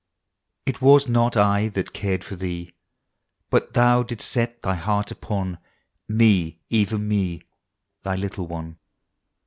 It was not I that cared tor Thee.— But Thou didst set Thy heart upon Me, even me, Thy little one."